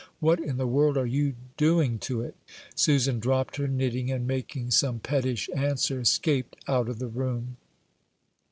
What in the world are you doing to it?" Susan dropped her knitting, and making some pettish answer, escaped out of the room.